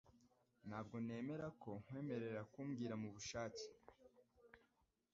Ntabwo nemera ko nkwemerera kumbwira mubushake